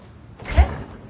えっ？